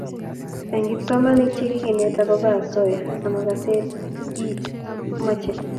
Eng' kipsomanik che kikenet akoba asoya ama kasee it ko mache